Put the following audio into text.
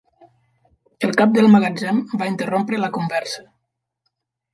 El cap del magatzem va interrompre la conversa.